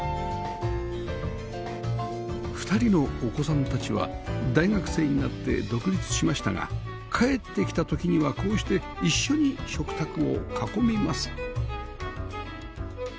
２人のお子さんたちは大学生になって独立しましたが帰ってきた時にはこうして一緒に食卓を囲みます